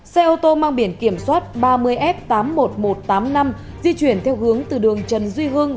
xe ô tô mang biển kiểm soát ba mươi f tám mươi một nghìn một trăm tám mươi năm di chuyển theo hướng từ đường trần duy hưng